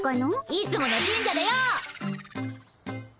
いつもの神社だよ。